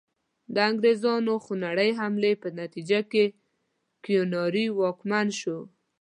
د انګریزانو خونړۍ حملې په نتیجه کې کیوناري واکمن شو.